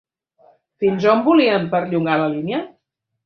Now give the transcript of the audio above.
Fins on volien perllongar la línia?